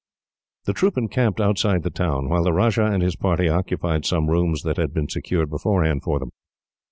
The troop encamped outside the town, while the Rajah and his party occupied some rooms that had been secured beforehand for them.